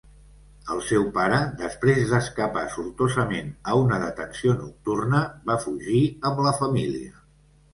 El seu pare, després d'escapar sortosament a una detenció nocturna, va fugir amb la família.